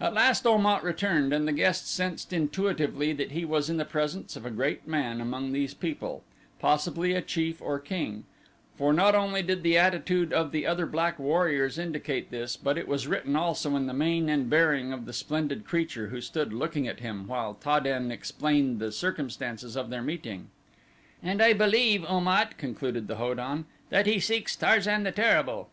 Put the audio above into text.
At last Om at returned and the guest sensed intuitively that he was in the presence of a great man among these people, possibly a chief or king, for not only did the attitude of the other black warriors indicate this but it was written also in the mien and bearing of the splendid creature who stood looking at him while Ta den explained the circumstances of their meeting. "And I believe, Om at," concluded the Ho don, "that he seeks Tarzan the Terrible."